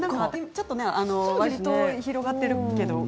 ちょっとわりと広がってるけれども